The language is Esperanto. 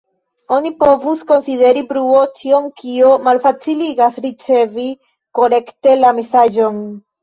Oni povus konsideri bruo ĉion kio malfaciligas ricevi korekte la mesaĝon.